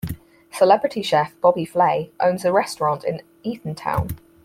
Celebrity chef Bobby Flay owns a restaurant in Eatontown.